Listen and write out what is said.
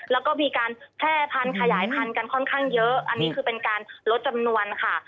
แล้วก็มีการแพร่พันธุ์ขยายพันธุ์กันค่อนข้างเยอะอันนี้คือเป็นการลดจำนวนค่ะ